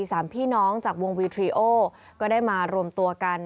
สามพี่น้องจากวงวีทรีโอก็ได้มารวมตัวกัน